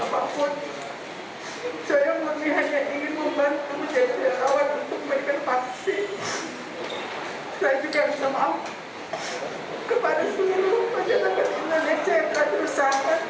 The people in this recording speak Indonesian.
saya juga bisa maaf kepada semua orang saya tak berpikir dengan mereka saya tak berusaha